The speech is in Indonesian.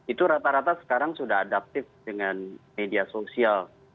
itu rata rata sekarang sudah adaptif dengan media sosial